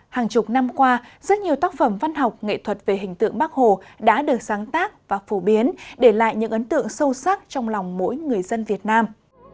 hàng chục năm qua rất nhiều tác phẩm văn học nghệ thuật về hình tượng bắc hồ đã được sáng tác và phổ biến để lại những ấn tượng sâu sắc trong lòng mỗi người dân việt nam